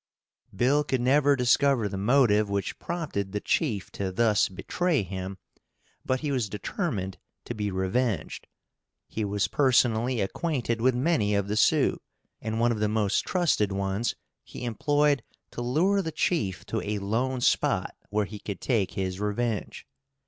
Bill could never discover the motive which prompted the chief to thus betray him, but he was determined to be revenged. He was personally acquainted with many of the Sioux, and one of the most trusted ones he employed to lure the chief to a lone spot where he could take his revenge.